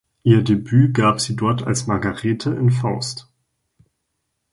Ihr Debüt gab sie dort als Margarete in "Faust".